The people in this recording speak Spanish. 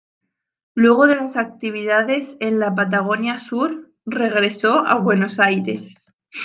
Luego de las actividades en la Patagonia sur, regresó a Buenos Aires.